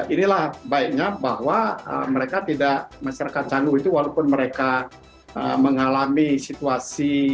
inilah baiknya bahwa mereka tidak masyarakat candu itu walaupun mereka mengalami situasi